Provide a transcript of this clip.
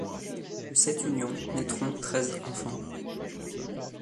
De cette union naîtront treize enfants.